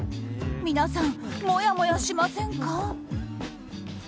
皆さん、もやもやしませんか？